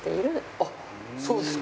あっそうですか。